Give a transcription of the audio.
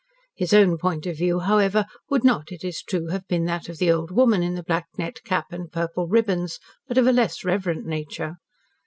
His own point of view, however, would not, it is true, have been that of the old woman in the black net cap and purple ribbons, but of a less reverent nature.